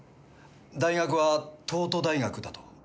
大学は東都大学だと。